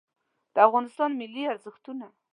د افغانستان ملي ارزښتونه